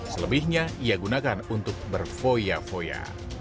selebihnya ia gunakan untuk berfoya foya